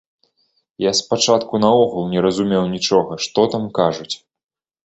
Я спачатку наогул не разумеў нічога, што там кажуць!